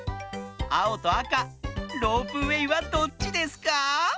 あおとあかロープウエーはどっちですか？